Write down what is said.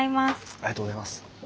ありがとうございます。